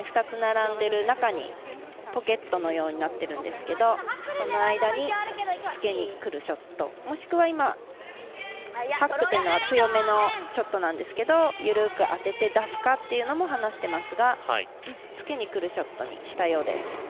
２つ並んでいる中にポケットのようになってるんですけどその間につけにくるショットもしくは今、ハックというのは強めのショットなんですけど緩く当てて出すかっていうのも話していますがつけにくるショットにしたようです。